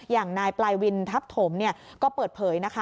อย่างนายปลายวินทัพถมก็เปิดเผยนะคะ